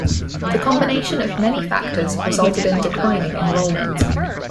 The combination of many factors resulted in declining enrollments.